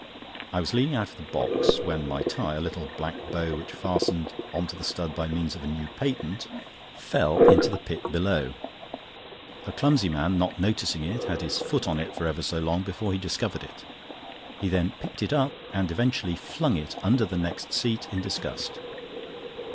I was leaning out of the box, when my tie—a little black bow which fastened on to the stud by means of a new patent—fell into the pit below. A clumsy man not noticing it, had his foot on it for ever so long before he discovered it. He then picked it up and eventually flung it under the next seat in disgust.